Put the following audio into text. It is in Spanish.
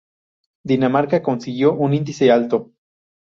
Dinamarca consiguió un índice alto.